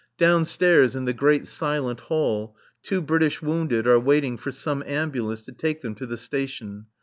Downstairs, in the great silent hall two British wounded are waiting for some ambulance to take them to the Station.